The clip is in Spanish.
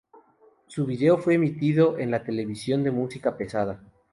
Su vídeo fue emitido en la televisión de música pesada.